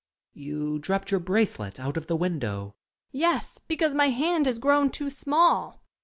You dropped your bracelet out of the win dow. ... YouNQ Lady. Yes, because my hand has grown too small....